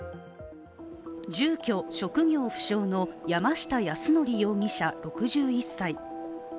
住居・職業不詳の山下泰範容疑者６１歳。